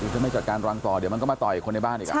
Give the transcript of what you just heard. ถ้าไม่จัดการรังต่อเดี๋ยวมันก็มาต่อยคนในบ้านอีก